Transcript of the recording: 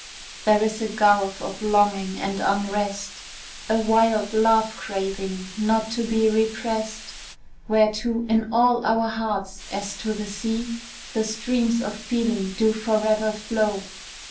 There is a gulf of longing and unrest, A wild love craving not to be represt, Whereto, in all our hearts, as to the sea, The streams of feeling do forever flow.